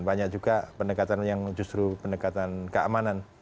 banyak juga pendekatan yang justru pendekatan keamanan